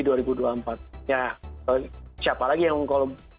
siapa lagi yang kalau bukan anak muda yang bisa melakukan itu